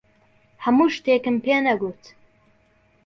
هەموو شتێکم پێ نەگوت.